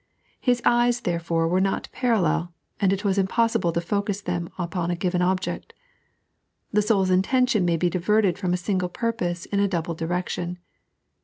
His eyee, therefore, were not parallel, and it was impossible to focus them upon a given object. The soul's intention may be diverted from a single purpose in a double direction.